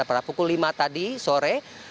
pada pukul lima tadi sore